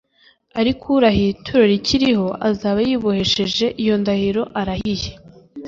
Ariko urahiye ituro rikiriho, azaba yibohesheje iyo ndahiro arahiye.